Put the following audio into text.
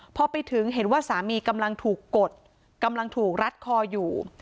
พอไปถึงเห็นว่าสามีกำลังถูกกดกำลังถูกรัดคออยู่